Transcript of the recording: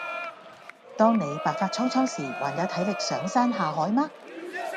當你白髮蒼蒼時還有體力上山下海嗎？